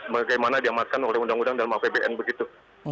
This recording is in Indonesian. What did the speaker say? bagaimana diamatkan oleh undang undang dalam apbn begitu